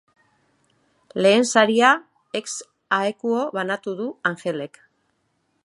Lehen saria ex aequo banatu du Angelek.